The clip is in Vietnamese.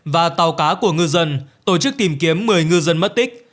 và tàu cá của ngư dân tổ chức tìm kiếm một mươi ngư dân mất tích